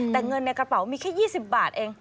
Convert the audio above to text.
แต่เงินในกระเป๋ามีแค่๒๐บาทเอง